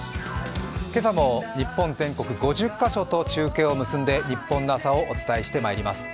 今朝も日本全国５０カ所と中継を結んで日本の朝をお伝えしてまいります。